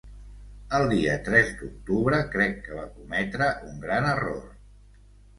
El dia tres d’octubre crec que va cometre un gran error.